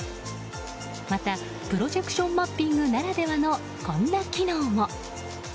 またプロジェクションマッピングならではのこんな機能も。